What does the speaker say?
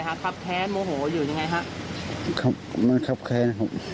ครับครับแค้นโมโหอยู่ยังไงครับครับแค้นครับแค้นแล้วที่